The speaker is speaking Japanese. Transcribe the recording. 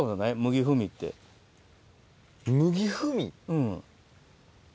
うん。